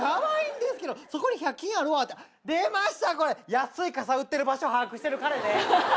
安い傘売ってる場所把握してる彼ね。